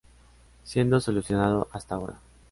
Siendo solucionado hasta ahora.